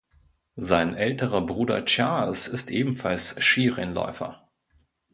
Sein älterer Bruder Charles ist ebenfalls Skirennläufer.